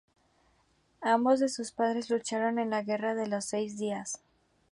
Ambos de sus padres lucharon en la Guerra de los Seis Días.